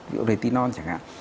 ví dụ retinol chẳng hạn